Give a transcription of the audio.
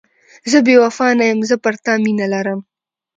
زه بې وفا نه یم، زه پر تا مینه لرم.